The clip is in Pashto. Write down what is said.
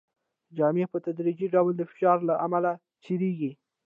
جامې په تدریجي ډول د فشار له امله څیریږي.